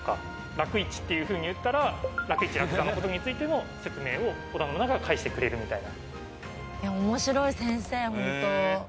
「楽市」っていうふうに打ったら楽市・楽座の事についての説明を織田信長が返してくれるみたいな。